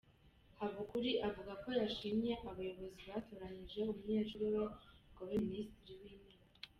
Habukuri avuga ko yashimye abayobozi batoranyije umunyeshuli we ngo abe Minisitiri w’intebe.